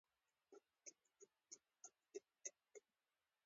رسمیت نه درلودونکي ډلې له ټولنې ویستل شول.